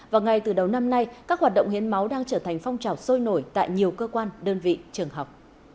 và ngay từ đầu năm nay các hoạt động hiến máu đang trở thành phong trào sôi nổi tại nhiều cơ quan đơn vị trường học